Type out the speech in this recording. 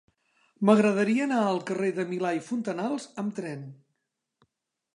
M'agradaria anar al carrer de Milà i Fontanals amb tren.